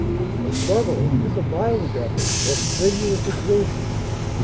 A struggle is a violent effort or strenuous exertion.